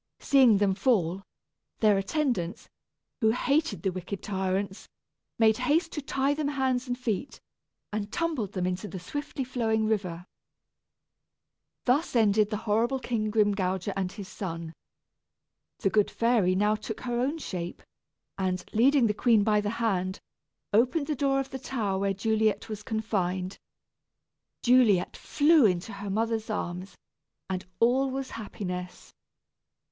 Seeing them fall, their attendants, who hated the wicked tyrants, made haste to tie them hands and feet, and tumbled them into the swiftly flowing river. Thus ended the horrible King Grimgouger and his son. The good fairy now took her own shape, and, leading the queen by the hand, opened the door of the tower where Juliet was confined. Juliet flew into her mother's arms, and all was happiness.